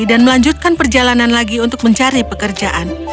dan melanjutkan perjalanan lagi untuk mencari pekerjaan